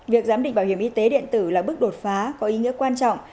việc giám định bảo hiểm y tế điện tử là bước đột phá có ý nghĩa quan trọng